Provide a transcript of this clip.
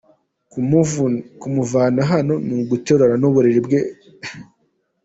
Kumuvana ahano ni uguterurana n’uburiri bwe